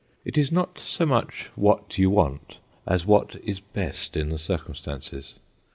It is not so much what you want as what is best in the circumstances.